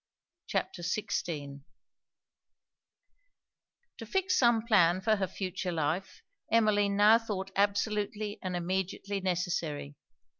CHAPTER XVI To fix some plan for her future life, Emmeline now thought absolutely and immediately necessary.